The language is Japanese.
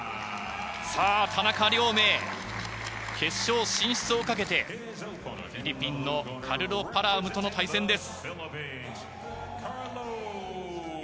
さぁ、田中亮明、決勝進出をかけて、フィリピンのカルロ・パアラムとの対戦です。